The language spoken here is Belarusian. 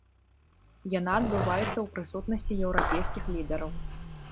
Яна адбываецца ў прысутнасці еўрапейскіх лідараў.